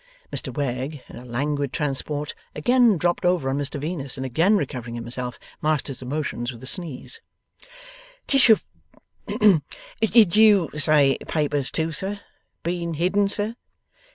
Mr Wegg, in a languid transport, again dropped over on Mr Venus, and again recovering himself, masked his emotions with a sneeze. 'Tish ho! Did you say papers too, sir? Been hidden, sir?